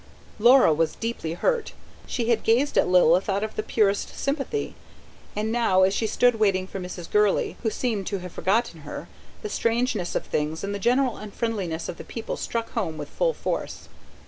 Laura was deeply hurt: she had gazed at Lilith out of the purest sympathy. And now, as she stood waiting for Mrs. Gurley, who seemed to have forgotten her, the strangeness of things, and the general unfriendliness of the people struck home with full force.